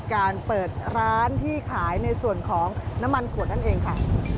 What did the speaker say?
การเปิดร้านที่ขายในส่วนของน้ำมันขวดนั่นเองค่ะ